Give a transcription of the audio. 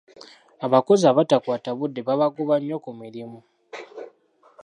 Abakozi abatakwata budde babagoba nnyo ku mirimu.